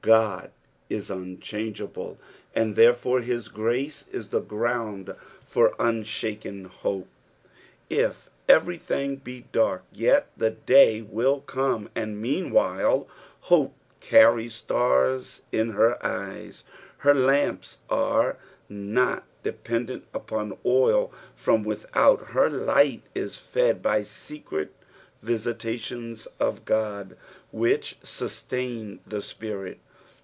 Oud is unchangeable, and therefore his grace is the ground for unshaken hope. If everything be dark, yet the day will come, and meanwhile hope carries stars in her eyes ; her Ismps are not dependent upon oil from without, her light is fed by secret visitations of God, which auatUD the spirit.